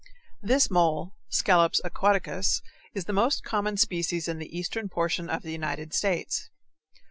This mole (Scalops aquaticus) is the most common species in the eastern portion of the United States.